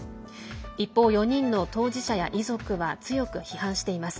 一方、４人の当事者や遺族は強く批判しています。